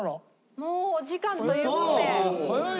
もうお時間という事で。